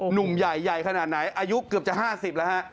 หนุ่มใหญ่ใหญ่ขนาดไหนอายุเกือบจะ๕๐แล้วฮะ